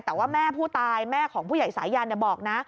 แต่ว่าแม่ผู้ตายแม่ของผู้ใหญ่สายันบอกนะ